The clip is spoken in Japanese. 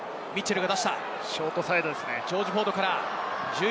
ショートサイドですね。